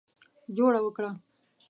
جوړه وکړه.